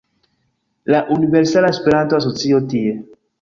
La Universala Esperanto-Asocio tie